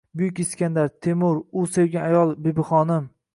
Buyuk Iskandar, Temur, u sevgan ayol Bibixonim…